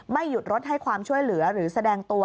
หยุดรถให้ความช่วยเหลือหรือแสดงตัว